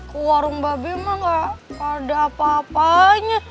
ke warung babi mah gak ada apa apanya